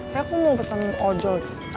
kayaknya aku mau pesan ojo